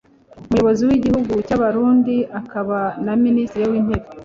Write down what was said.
umuyobozi w'igihugu cy'abarundi akaba na minisitiri w'intebe